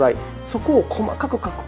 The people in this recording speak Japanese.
そこを細かく描く。